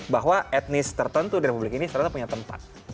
bahwa etnis tertentu di republik ini serta punya tempat